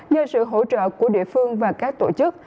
nhờ sự hỗ trợ của địa phương và các tổ chức